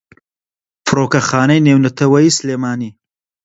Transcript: فڕۆکەخانەی نێونەتەوەییی سلێمانی